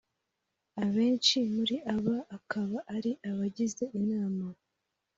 abenshi muri aba akaba ari abagize inama